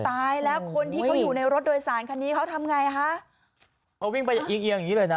ตายแล้วคนที่เขาอยู่ในรถโดยสารคันนี้เขาทำไงฮะเอาวิ่งไปเอียงอย่างงี้เลยนะ